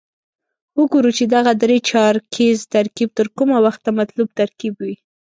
وګورو چې دغه درې چارکیز ترکیب تر کومه وخته مطلوب ترکیب وي.